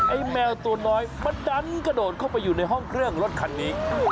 แมวตัวน้อยมันดันกระโดดเข้าไปอยู่ในห้องเครื่องรถคันนี้